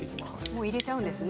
もう入れちゃうんですね